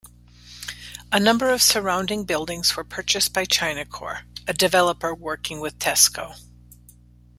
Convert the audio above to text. A number of surrounding buildings were purchased by Chinacorp a developer working with Tesco.